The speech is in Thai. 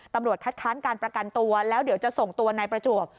ตำรวจคัดค้านการประกันตัวแล้วเดี๋ยวจะส่งตัวนายประจวบ